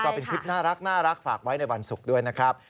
ก็เป็นคลิปน่ารักฝากไว้ในวันศุกร์ด้วยนะครับ